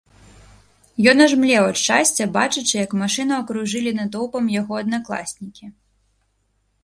Ён аж млеў ад шчасця, бачачы, як машыну акружылі натоўпам яго аднакласнікі.